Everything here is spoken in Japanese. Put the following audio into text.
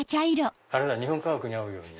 あれだ日本家屋に合うように。